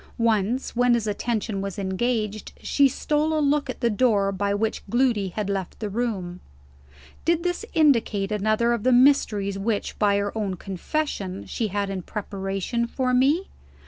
Once, when his attention was engaged, she stole a look at the door by which Gloody had left the room. Did this indicate another of the mysteries which, by her own confession, she had in preparation for me?